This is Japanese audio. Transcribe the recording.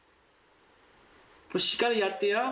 しっかりやってよ。